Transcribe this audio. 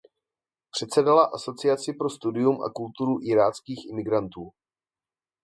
Předsedala "Asociaci pro studium a kulturu iráckých imigrantů".